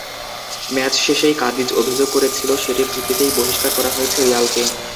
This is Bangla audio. ম্যাচ শেষেই কাদিজ অভিযোগ করেছিল, সেটির ভিত্তিতেই বহিষ্কার করা হয়েছে রিয়ালকে।